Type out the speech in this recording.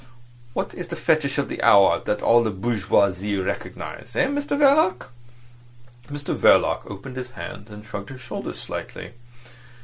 What is the fetish of the hour that all the bourgeoisie recognise—eh, Mr Verloc?" Mr Verloc opened his hands and shrugged his shoulders slightly.